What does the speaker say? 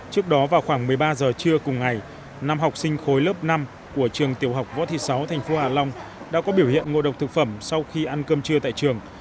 trước đó vào khoảng một mươi ba giờ trưa cùng ngày năm học sinh khối lớp năm của trường tiểu học võ thị sáu thành phố hạ long đã có biểu hiện ngộ độc thực phẩm sau khi ăn cơm trưa tại trường